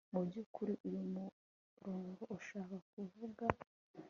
mu by'ukuri uyu murongo ushaka kuvuga